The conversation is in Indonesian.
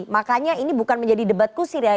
makanya ini bukan menjadi debat kusir ya